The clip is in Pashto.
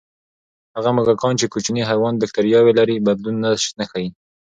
هغه موږکان چې کوچني حیوان بکتریاوې لري، بدلون نه ښيي.